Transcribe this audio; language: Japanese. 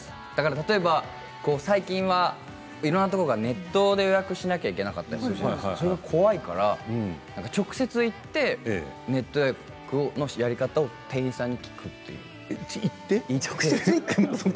例えば、最近はいろんなところがネットで予約しなきゃいけなかったりするじゃないですか、怖いから直接行ってネット予約のやり方を店員さんに聞くという。